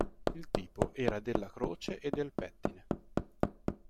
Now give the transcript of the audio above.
Il tipo era della croce e del pettine.